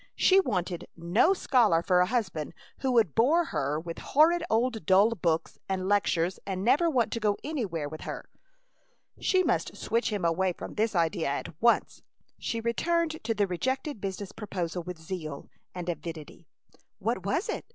She wanted no scholar for a husband, who would bore her with horrid old dull books and lectures and never want to go anywhere with her! She must switch him away from this idea at once! She returned to the rejected business proposition with zeal and avidity. What was it?